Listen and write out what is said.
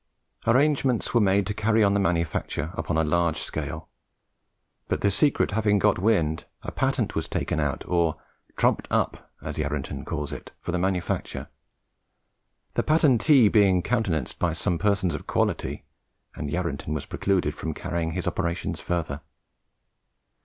Arrangements were made to carry on the manufacture upon a large scale; but the secret having got wind, a patent was taken out, or "trumpt up" as Yarranton calls it, for the manufacture, "the patentee being countenanced by some persons of quality," and Yarranton was precluded from carrying his operations further.